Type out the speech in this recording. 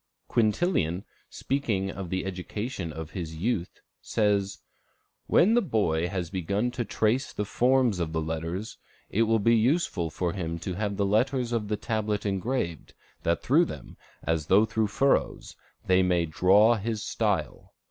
Quintilian, speaking of the education of youth, says, "When the boy has begun to trace the forms of the letters, it will be useful for him to have the letters of the tablet engraved, that through them, as through furrows, he may draw his style.